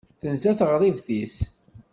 Tenza teɣribt-is.